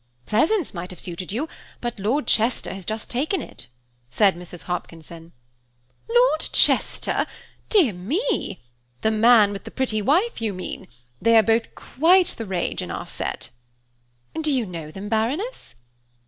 "Pleasance might have suited you, but Lord Chester has just taken it," said Mrs. Hopkinson. "Lord Chester! Dear me! The man with the pretty wife, you mean. They are both quite the rage in our set." "Do you know them, Baroness?"